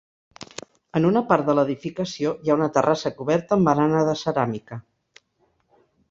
En una part de l'edificació hi ha una terrassa coberta amb barana de ceràmica.